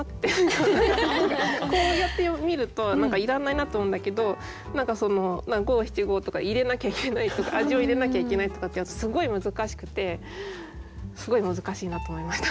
こうやって見るといらないなと思うんだけど何かその五七五とか入れなきゃいけないとか味を入れなきゃいけないとかってすごい難しくてすごい難しいなと思いました。